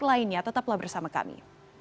lainnya tetaplah bersama kami